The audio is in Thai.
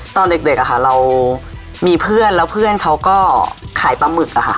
ตอนเด็กเรามีเพื่อนแล้วเพื่อนเขาก็ขายปลาหมึกอะค่ะ